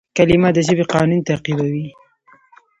کلیمه د ژبي قانون تعقیبوي.